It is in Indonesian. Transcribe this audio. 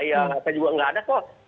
saya juga nggak ada kok